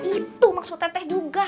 itu maksudnya teh juga